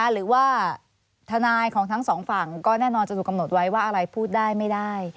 หรือว่าทนายของทั้งสองฝั่งก็แน่นอนจะถูกกำหนดไว้ว่าอะไรพูดได้ไม่ได้